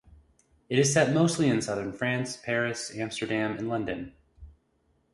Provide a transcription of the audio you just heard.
It is set mostly in Southern France, Paris, Amsterdam, and London.